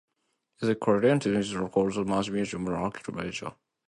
It is currently in the Gozo Museum of Archaeology.